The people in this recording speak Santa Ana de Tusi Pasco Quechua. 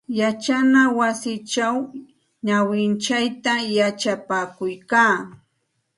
Yachana wasichaw nawintsayta yachapakuykaa.